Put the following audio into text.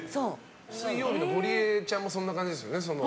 水曜日のゴリエちゃんもそんな感じですよね。